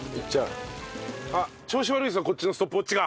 あっ調子悪いぞこっちのストップウォッチが！